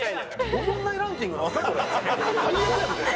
おもんないランキングなんですか？